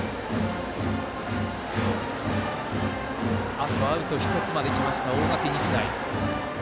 あと、アウト１つまできました大垣日大。